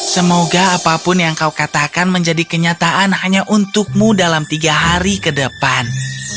semoga apapun yang kau katakan menjadi kenyataan hanya untukmu dalam tiga hari ke depan